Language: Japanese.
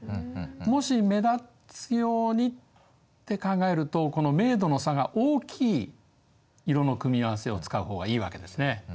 もし目立つようにって考えるとこの明度の差が大きい色の組み合わせを使う方がいいわけですね。